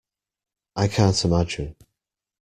I can't imagine.